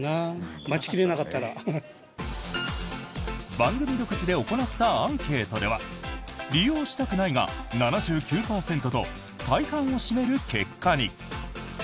番組独自で行ったアンケートでは利用したくないが７９％と大半を占める結果に。